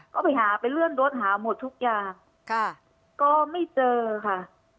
ก็ไปหาไปเลื่อนรถหาหมดทุกอย่างค่ะก็ไม่เจอค่ะ